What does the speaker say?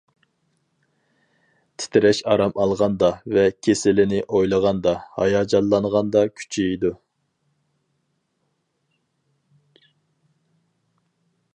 تىترەش ئارام ئالغاندا ۋە كېسىلىنى ئويلىغاندا، ھاياجانلانغاندا كۈچىيىدۇ.